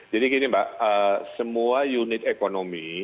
jadi gini mbak semua unit ekonomi